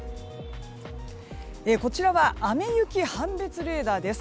こちらは雨雪判別レーダーです。